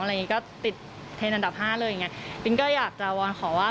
อย่างงี้ก็ติดเทรนดอันดับห้าเลยอย่างเงี้ปินก็อยากจะวอนขอว่า